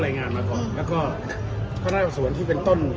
แล้วก็ค้นล่าส่วนที่เป็นต้น